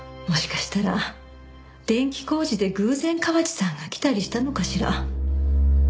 もしかしたら電気工事で偶然河内さんが来たりしたのかしら。